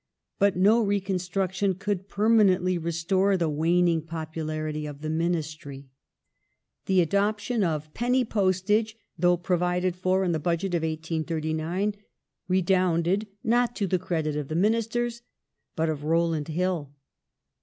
But no reconstruction could permanently restore the waning popularity of the Ministry. The adoption of Penny Postage though provided for in the Budget of 1839 redounded not to the credit of Ministei s but of Rowland Hill.